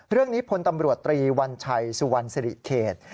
เรื่องนี้พลตำรวจตรีวัญชัยสุวรรณศรีเขต